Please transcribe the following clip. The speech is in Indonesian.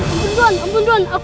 ampun tuan ampun tuan aku ikut kamu